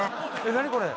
・何これ？